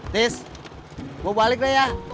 nis mau balik dah ya